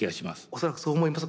恐らくそう思います。